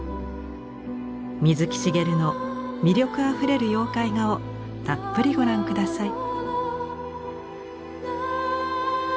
水木しげるの魅力あふれる妖怪画をたっぷりご覧下さい。